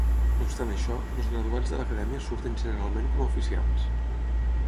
No obstant això, els graduats de l'Acadèmia surten generalment com a oficials.